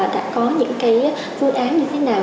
đã có những phương án như thế nào